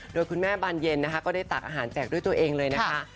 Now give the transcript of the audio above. โดยคุณแม่บานเย็นนะคะก็ได้ตักอาหารแจกด้วยตัวเองเลยนะคะ